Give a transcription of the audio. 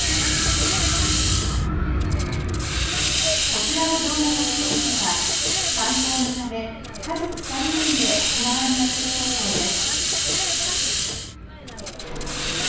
こちらの動画撮影者は観光のため家族３人で沖縄県にやってきたそうです。